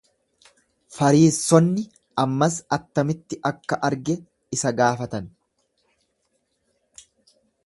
Fariissonni ammas attamitti akka arge isa gaafatan.